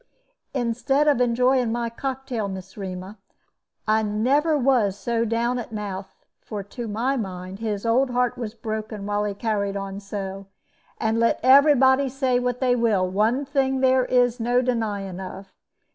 "Instead of enjoying my cocktail, Miss 'Rema, I never was so down at mouth; for, to my mind, his old heart was broken while he carried on so. And let every body say what they will, one thing there is no denying of.